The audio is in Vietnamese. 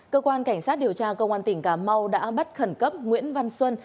cơ quan cảnh sát điều tra công an tỉnh cà mau đã bắt khẩn cấp nguyễn văn xuân